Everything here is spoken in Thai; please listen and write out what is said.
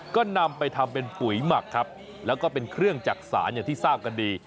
ก็นำไปทำเป็นปุ๋ยหมักครับแล้วก็เป็นเครื่องจักษานอย่างที่ทราบกันดี